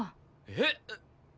えっ？